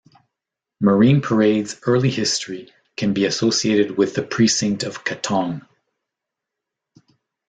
Marine Parade's early history can be associated with the precinct of Katong.